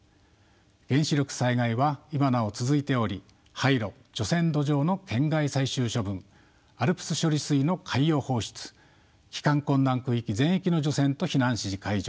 原子力災害は今なお続いており廃炉除染土壌の県外最終処分ＡＬＰＳ処理水の海洋放出帰還困難区域全域の除染と避難指示解除